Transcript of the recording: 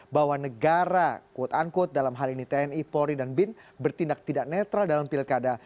bahwa negara quote unquote dalam hal ini tni polri dan bin bertindak tidak netral dalam pilkada